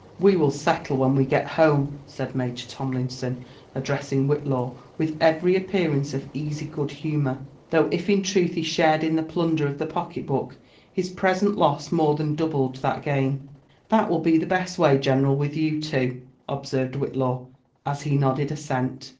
'*We will settle when we get home," said Major Tomlinson, addressing Whillaw with every appearance of easy good humour; though if in truth he shared in the plunder of the pocket book, bis present loss more than doubled that gain — "That will be the best way, general, with you too," observed Whillaw as he nodded assent.